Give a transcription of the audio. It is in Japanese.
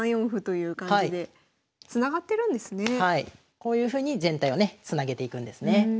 こういうふうに全体をねつなげていくんですね。